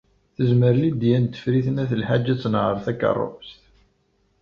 Tezmer Lidya n Tifrit n At Lḥaǧ ad tenheṛ takeṛṛust?